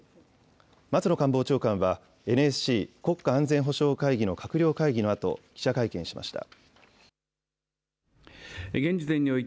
松野官房長官はＮＳＣ・国家安全保障会議の閣僚会議のあと記者会見しました。